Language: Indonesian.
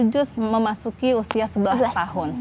tiga puluh juz memasuki usia sebelas tahun